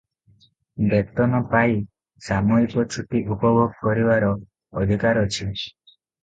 ବେତନ ପାଇ ସାମୟିକ ଛୁଟି ଉପଭୋଗ କରିବାର ଅଧିକାର ଅଛି ।